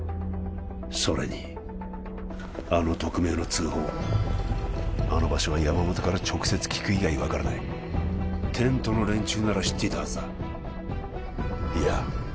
それにあの匿名の通報あの場所は山本から直接聞く以外分からないテントの連中なら知っていたはずだいや